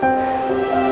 tapi siap amat